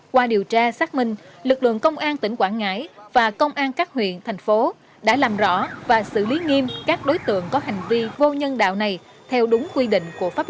qua điều tra xác minh lực lượng công an tỉnh quảng ngãi và công an các huyện thành phố đã làm rõ và xử lý nghiêm các đối tượng có hành vi vô nhân đạo này theo đúng quy định của pháp luật